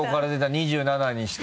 ２７にして。